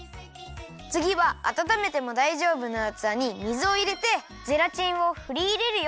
つぎはあたためてもだいじょうぶなうつわに水をいれてゼラチンをふりいれるよ。